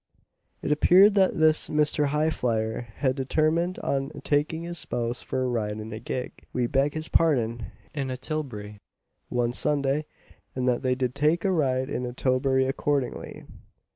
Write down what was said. It appeared that this Mr. Highflyer had determined on taking his spouse for a ride in a gig we beg his pardon, in a tilbury, one Sunday, and that they did take a ride in a tilbury accordingly.